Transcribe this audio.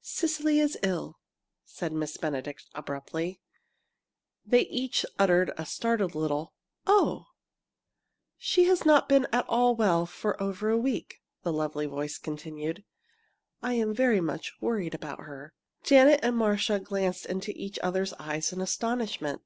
"Cecily is ill!" said Miss Benedict, abruptly. They each uttered a startled little "Oh!" "She has not been at all well for over a week," the lovely voice continued. "I am very much worried about her." Janet and Marcia glanced into each other's eyes in astonishment.